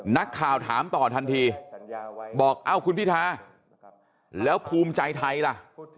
นักข่าวถามต่อทันทีบอกเอ้าคุณพิทาแล้วภูมิใจไทยล่ะ